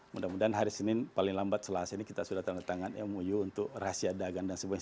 mudah mudahan hari senin paling lambat selasa ini kita sudah tanda tangan mou untuk rahasia dagang dan sebagainya